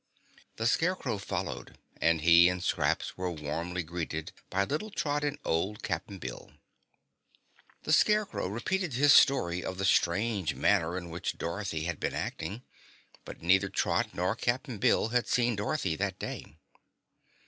The Scarecrow followed, and he and Scraps were warmly greeted by little Trot and old Cap'n Bill. The Scarecrow repeated his story of the strange manner in which Dorothy had been acting, but neither Trot nor Cap'n Bill had seen Dorothy that day.